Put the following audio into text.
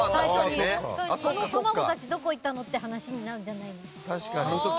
その卵たち、どこ行ったのという話になるじゃない。